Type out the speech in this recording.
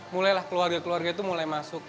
mulailah keluarga keluarga itu mulai masuk